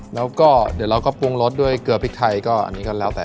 แล้วก็เดี๋ยวเราก็ปรุงรสด้วยเกลือพริกไทยก็อันนี้ก็แล้วแต่